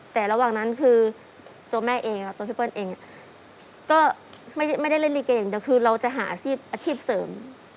แต่ระหว่างนั้นคือตัวแม่เองค่ะตัวพี่เปิ้ลเองก็ไม่ได้เล่นลิเกอย่างเดียวคือเราจะหาอาชีพเสริม